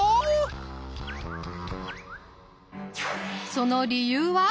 その理由は？